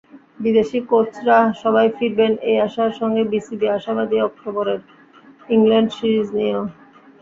বিদেশি কোচরা সবাই ফিরবেন—এই আশার সঙ্গে বিসিবি আশাবাদী অক্টোবরের ইংল্যান্ড সিরিজ নিয়েও।